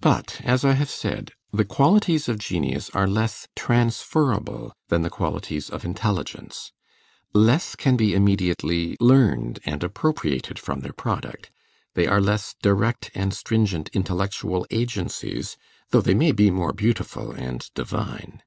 But as I have said, the qualities of genius are less transferable than the qualities of intelligence; less can be immediately learned and appropriated from their product; they are less direct and stringent intellectual agencies, though they may be more beautiful and divine.